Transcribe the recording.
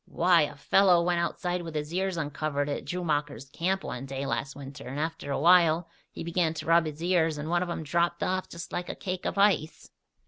Why! A fellow went outside with his ears uncovered at Droomacher's camp one day last winter and after awhile he began to rub his ears and one of 'em dropped off just like a cake of ice."